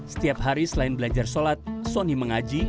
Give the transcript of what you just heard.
setiap hari selain belajar sholat sony mengaji